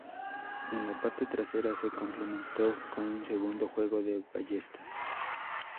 En la parte trasera se complementó con un segundo juego de ballestas.